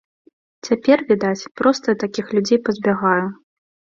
Цяпер, відаць, проста такіх людзей пазбягаю.